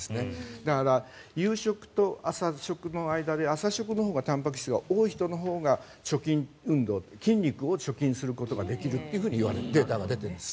だから、夕食と朝食の間で朝食のほうがたんぱく質が多い人のほうが貯金運動筋肉を貯金することができるというデータが出ているんです。